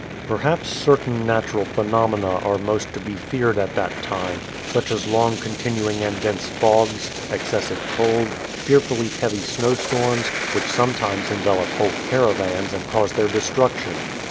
Perhaps certain natural phenomena are most to be feared at that time, such as long continuing and dense fogs, excessive cold, fearfully heavy snow storms, which sometimes envelop whole caravans and cause their destruction.